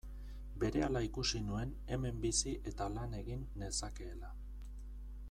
Berehala ikusi nuen hemen bizi eta lan egin nezakeela.